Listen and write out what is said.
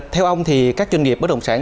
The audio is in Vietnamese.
theo ông thì các doanh nghiệp bất động sản